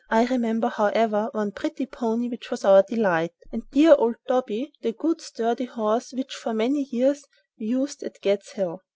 I remember, however, one pretty pony which was our delight, and dear old "Toby," the good sturdy horse which for many years we used at "Gad's Hill."